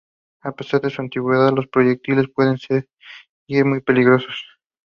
Later she documented the buildings of the Cologne Bauwens company for many years.